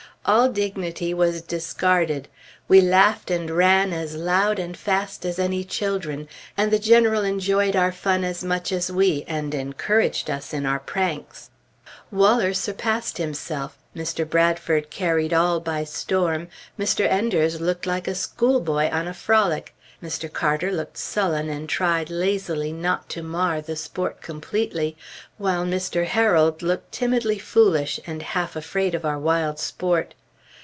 All dignity was discarded. We laughed and ran as loud and fast as any children, and the General enjoyed our fun as much as we, and encouraged us in our pranks. Waller surpassed himself, Mr. Bradford carried all by storm, Mr. Enders looked like a schoolboy on a frolic, Mr. Carter looked sullen and tried lazily not to mar the sport completely, while Mr. Harold looked timidly foolish and half afraid of our wild sport.